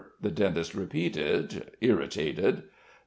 the dentist repeated, irritated.